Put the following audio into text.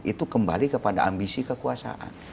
itu kembali kepada ambisi kekuasaan